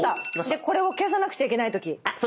でこれを消さなくちゃいけない時。